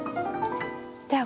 では